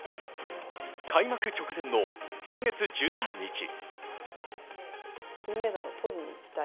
開幕直前の先月１３日。